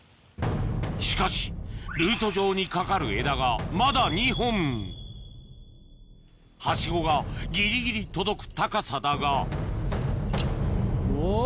しかしルート上にかかる枝がまだ２本はしごがギリギリ届く高さだがおぉ！